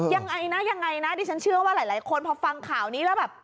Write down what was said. ยังไงนะยังไงนะดิฉันเชื่อว่าหลายคนพอฟังข่าวนี้แล้วแบบ